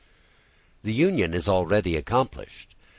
] The union is already accomplished.